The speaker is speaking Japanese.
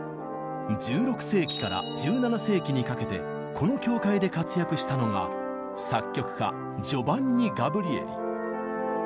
１６世紀から１７世紀にかけてこの教会で活躍したのが作曲家ジョヴァンニ・ガブリエリ。